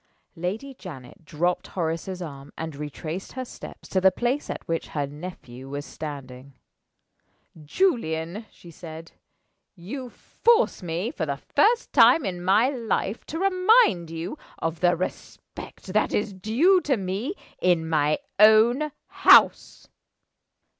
Lady Janet dropped Horace's arm, and retraced her steps to the place at which her nephew was standing. "Julian," she said. "You force me, for the first time in my life, to remind you of the respect that is due to me in my own house.